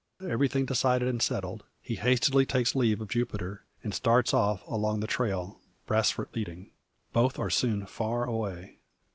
Everything decided and settled, he hastily takes leave of Jupiter, and starts off along the trail, Brasfort leading. Both are soon far away.